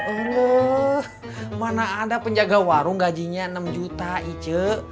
aduh mana ada penjaga warung gajinya enam juta ije